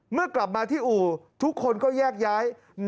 เมื่อกลับมาที่อู่ทุกคนก็แยกย้าย